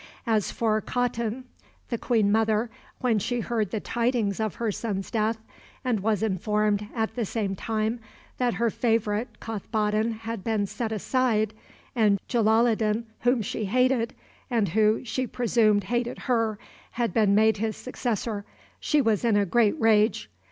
As for Khatun, the queen mother, when she heard the tidings of her son's death, and was informed, at the same time, that her favorite Kothboddin had been set aside, and Jalaloddin, whom she hated, and who, she presumed, hated her, had been made his successor, she was in a great rage.